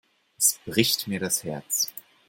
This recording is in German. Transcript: Es bricht mir das Herz.